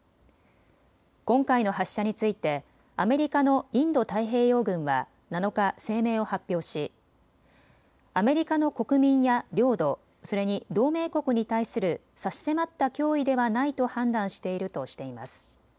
今回の発射についてアメリカのインド太平洋軍は７日、声明を発表しアメリカの国民や領土、それに同盟国に対する差し迫った脅威ではないと判断しているとしています。